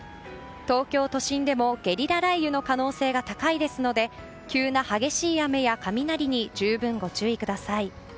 東京都心でもゲリラ雷雨の可能性が高いですので急な激しい雨や雷に十分ご注意ください。